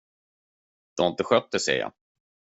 Du har inte skött dig, ser jag.